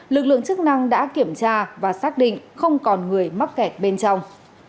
lực lượng chức năng đã kiểm tra và xác định không còn người mắc kẹt bên trong